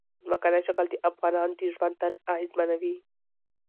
ځمکنی شکل د افغانانو د ژوند طرز اغېزمنوي.